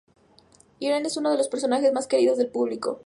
Irene es uno de los personajes más queridos del público.